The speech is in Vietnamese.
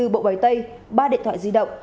ba mươi bốn bộ bày tay ba điện thoại di động